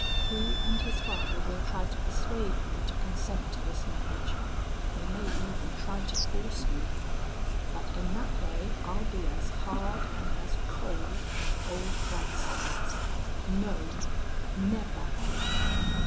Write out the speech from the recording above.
He and his father will try to persuade me to consent to this marriage. They may even try to force me. But in that way I'll be as hard and as cold as Old White Slides. No! Never!